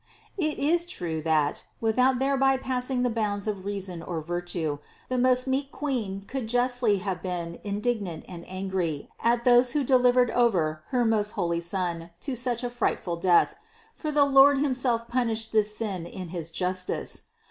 576. It is true that, without thereby passing the bounds of reason or virtue, the most meek Queen could justly have been indignant and angry at those who delivered over her most holy Son to such a frightful death ; for the Lord himself punished this sin in his justice.